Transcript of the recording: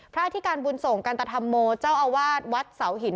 พระอธิการบุญโสงกันตธัมมูลเจ้าอวาสวัดสาวหิน